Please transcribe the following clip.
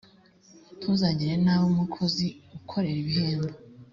ntuzagirire nabi umukozi ukorera ibihembo